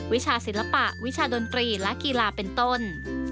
วิชาศิลปะวิชาดนตรีและกีฬาเป็นต้น